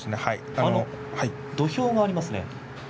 土俵がありますね。